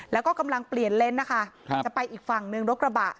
แล้วก็กำลังเปลี่ยนเลนส์นะคะจะไปอีกฝั่งหนึ่งรถกระบะ